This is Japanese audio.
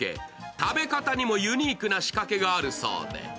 食べ方にもユニークな仕掛けがあるそうで。